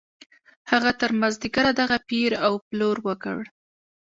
هغه تر مازديګره دغه پېر او پلور وکړ.